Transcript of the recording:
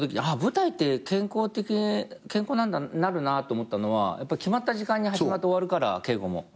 あっ舞台って健康になるなと思ったのはやっぱ決まった時間に始まって終わるから稽古も。